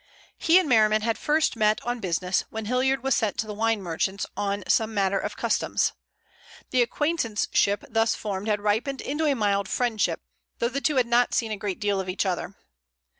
He and Merriman had first met on business, when Hilliard was sent to the wine merchants on some matter of Customs. The acquaintanceship thus formed had ripened into a mild friendship, though the two had not seen a great deal of each other.